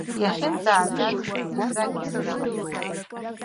Иахьынтәааз адрес зынӡак ианӡамызт.